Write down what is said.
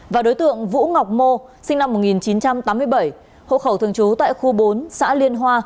và đối tượng vũ ngọc mô sinh năm một nghìn chín trăm tám mươi bảy hộ khẩu thường trú tại khu bốn xã liên hoa